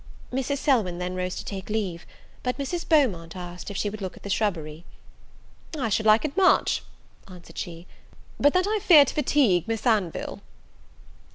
Mrs. Selwyn then rose to take leave; but Mrs. Beaumont asked if she would look at the shrubbery. "I should like it much," answered she, "but that I fear to fatigue Miss Anville."